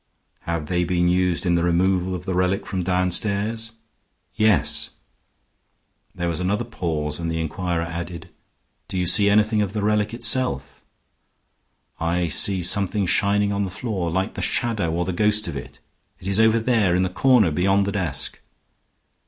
"Have they been used in the removal of the relic from downstairs?" "Yes." There was another pause and the inquirer added, "Do you see anything of the relic itself?" "I see something shining on the floor, like the shadow or the ghost of it. It is over there in the corner beyond the desk."